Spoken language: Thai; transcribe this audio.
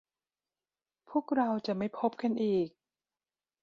พวกเราจะไม่พบกันอีก